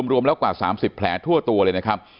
รวมแล้วกว่า๓๐แผลทั่วตัวเลยนะครับ